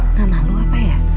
nggak malu apa ya